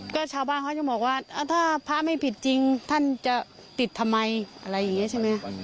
ก็ชาวบ้านเขาจะบอกว่าถ้าพระไม่ผิดจริงท่านจะปิดทำไมอะไรอย่างนี้ใช่ไหม